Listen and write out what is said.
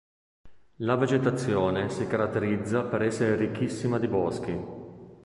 La vegetazione si caratterizza per essere ricchissima di boschi.